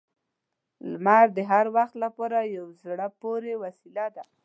• لمر د هر وخت لپاره یو زړه پورې وسیله ده.